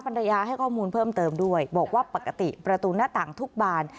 ภรรยาให้ข้อมูลเพิ่มเติมด้วยบอกว่าปกติประตูหน้าต่างทุกบาน